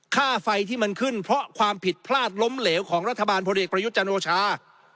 ค่าไฟที่มันขึ้นเพราะความผิดพลาดล้มเหลวของรัฐบาลพลเอกประยุทธ์จันโอชา